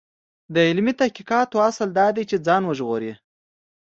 د علمي تحقیقاتو اصل دا دی چې ځان وژغوري.